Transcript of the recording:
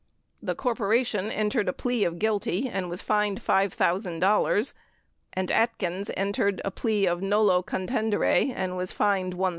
The corpora tion entered a plea of guilty and was fined $5,000, and Atkins entered a plea of nolo contendere and was fined $1,000.